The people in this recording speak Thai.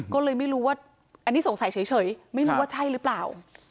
ก็เลยไม่รู้ว่าอันนี้สงสัยเฉยไม่รู้ว่าใช่หรือเปล่า